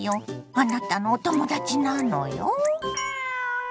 あなたのお友達なのよ。